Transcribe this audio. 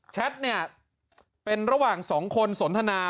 แท็ตเนี่ยเป็นระหว่างสองคนสนทนา